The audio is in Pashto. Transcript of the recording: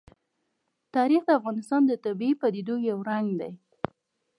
تاریخ د افغانستان د طبیعي پدیدو یو رنګ دی.